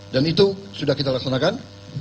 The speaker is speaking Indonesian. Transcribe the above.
dan itu sudah kita laksanakan